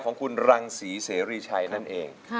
ของคุณรังศรีเสรีชัยนั่นเอง